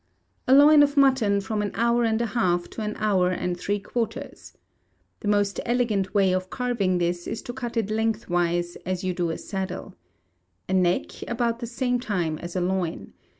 A loin of mutton, from an hour and a half to an hour and three quarters. The most elegant way of carving this is to cut it lengthwise, as you do a saddle. A neck, about the same time as a loin.